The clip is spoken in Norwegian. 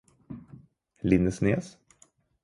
Lindesnes